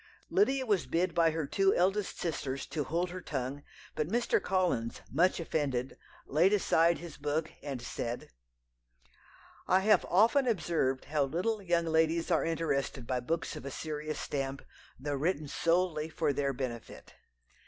"Lydia was bid by her two eldest sisters to hold her tongue; but Mr. Collins, much offended, laid aside his book, and said "'I have often observed how little young ladies are interested by books of a serious stamp, though written solely for their benefit.